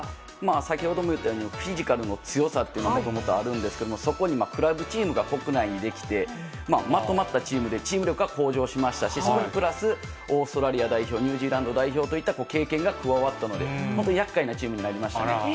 先ほども言ったように、フィジカルの強さっていうのはもともとあるんですけれども、そこにクラブチームが国内に出来て、まとまったチームでチーム力が向上しましたし、オーストラリア代表、ニュージーランド代表といった、経験が加わったので、本当にやっかいなチームになりましたね。